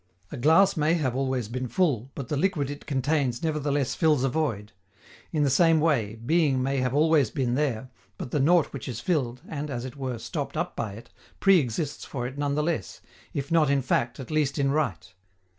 A glass may have always been full, but the liquid it contains nevertheless fills a void. In the same way, being may have always been there, but the nought which is filled, and, as it were, stopped up by it, pre exists for it none the less, if not in fact at least in right.